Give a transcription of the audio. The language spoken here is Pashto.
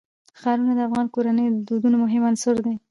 ښارونه د افغان کورنیو د دودونو مهم عنصر دی.